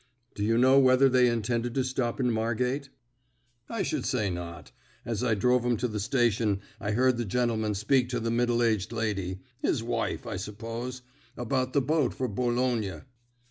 "Do you know whether they intended to stop in Margate?" "I should say not. As I drove 'em to the station, I heard the gentleman speak to the middle aged lady his wife, I suppose about the boat for Boulogne."